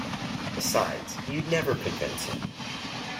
Besides, you’d never convince him.